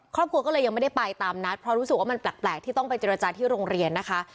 ครอบครัวก็เลยยังไม่ได้ไปตามนัดเพราะรู้สึกว่ามันแปลกที่ต้องไปเจรจาที่โรงเรียนนะคะ